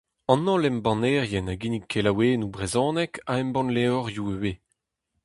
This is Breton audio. An holl embannerien a ginnig kelaouennoù brezhonek a embann levrioù ivez.